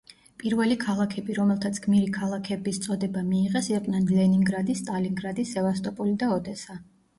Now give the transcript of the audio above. პირველი ქალაქები, რომელთაც გმირი ქალაქების წოდება მიიღეს, იყვნენ: ლენინგრადი, სტალინგრადი, სევასტოპოლი და ოდესა.